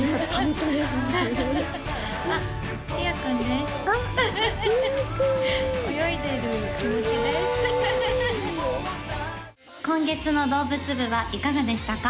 かわいい今月の動物部はいかがでしたか？